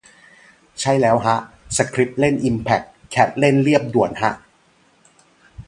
ใช่แล้วฮะ สคริปเล่นอิมแพค แคทเล่นเลียบด่วนฮะ